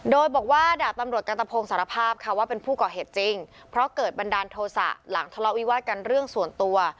โดยบอกว่าดาบตำรวจกันตะพงสารภาพค่ะว่าเป็นผู้ก่อเหตุจริงเพราะเกิดบันดาลโทษะหลังทะเลาะวิวาดกันเรื่องส่วนตัว